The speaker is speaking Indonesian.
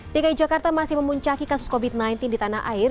dki jakarta masih memuncaki kasus covid sembilan belas di tanah air